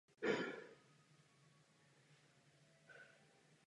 Vyvinuty byly především jako obrana proti čínské invazi.